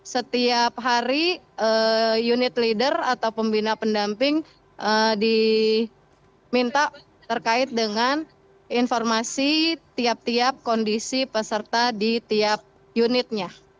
setiap hari unit leader atau pembina pendamping diminta terkait dengan informasi tiap tiap kondisi peserta di tiap unitnya